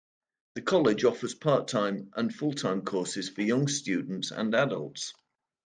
The college offers part-time and full-time courses for young students and adults.